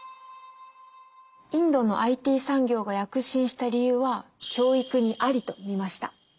インドのＩＴ産業が躍進した理由は教育にありと見ました！